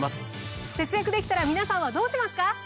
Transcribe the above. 節約できたら皆さんはどうしますか？